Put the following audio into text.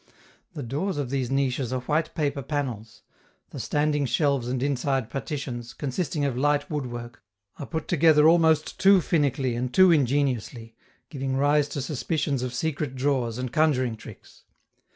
The doors of these niches are white paper panels; the standing shelves and inside partitions, consisting of light woodwork, are put together almost too finically and too ingeniously, giving rise to suspicions of secret drawers and conjuring tricks.